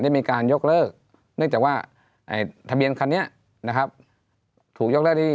มีการยกเลิกเนื่องจากว่าทะเบียนคันนี้นะครับถูกยกเลิกที่